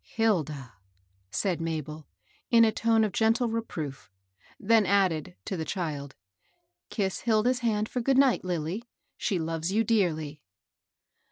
" Hilda !" said Mabel, in a tone of gentle re proof; then added, to the child, ^^Eiss Hil da's hand for good night, Lilly. She loves you dearly."